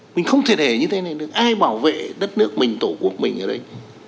mình không thể để như thế này được ai bảo vệ đất nước mình tổ quốc mình ở đây